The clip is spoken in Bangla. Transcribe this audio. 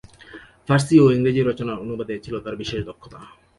ফারসি ও ইংরেজি রচনার অনুবাদে ছিল তার বিশেষ দক্ষতা।